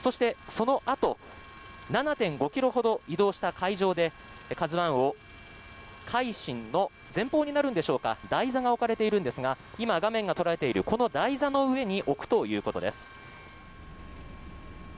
そして、そのあと７．５ｋｍほど移動した海上で「ＫＡＺＵ１」を「海進」の前方に載るんでしょうか台座が置かれているんですが今、画面が捉えているこの台座の上に置くということです。